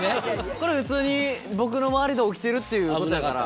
これ普通に僕の周りで起きてるっていうことやから。